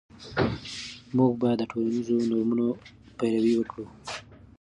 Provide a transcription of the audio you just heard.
موږ باید د ټولنیزو نورمونو پیروي وکړو.